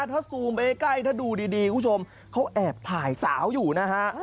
ถ้าซูมไปใกล้ถ้าดูดีคุณผู้ชมเขาแอบถ่ายสาวอยู่นะฮะ